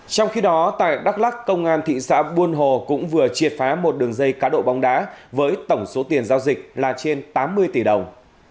trong khi đó tại đắk lắc công an thị xã buôn hồ cũng vừa triệt phá một đường dây cá độ bóng đá với tổng số tiền giao dịch là trên tám mươi tỷ đồng